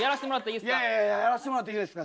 いやいや「やらしてもらっていいですか」